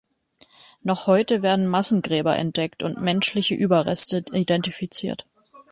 Noch heute werden Massengräber entdeckt und menschliche Überreste identifiziert.